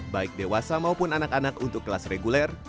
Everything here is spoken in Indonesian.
baik dewasa maupun anak anak untuk kelas reguler